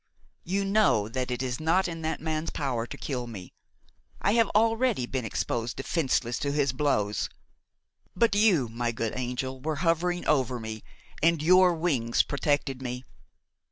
You know that it is not in that man's power to kill me; I have already been exposed defenceless to his blows. But you, my good angel, were hovering over me, and your wings protected me.